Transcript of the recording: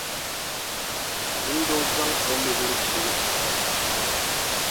Azindoo zaŋ o nubila shihi o noli.